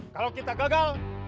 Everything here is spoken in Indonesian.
kalau kita gagal